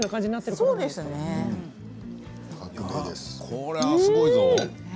これはすごいぞ。